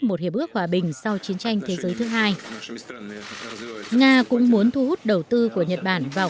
một hiệp ước hòa bình sau chiến tranh thế giới thứ hai nga cũng muốn thu hút đầu tư của nhật bản vào